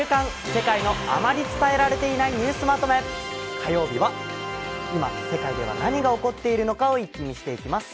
世界のあまり伝えられていないニュースまとめ」火曜日は、今世界では何が起こっているのかを一気見していきます。